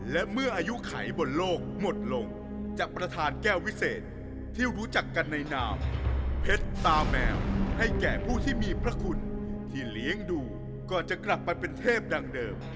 และเมื่ออายุไขบนโลกหมดลง